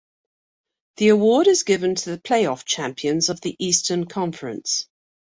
The award is given to the playoff champions of the Eastern Conference.